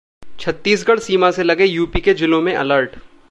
छत्तीसगढ़ सीमा से लगे यूपी के जिलों में अलर्ट